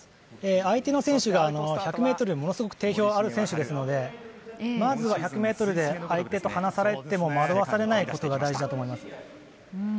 相手の選手が１００ｍでものすごく定評のある選手ですのでまずは１００ｍで相手と離されても惑わされないことが大事だと思います。